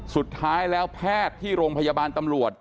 สุดท้ายแล้วแพทย์ที่โรงพยาบาลตำรวจ